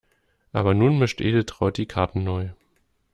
Aber nun mischt Edeltraud die Karten neu.